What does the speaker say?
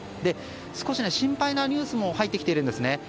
少し心配なニュースも入ってきているんですね。